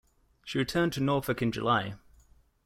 She returned to Norfolk in July.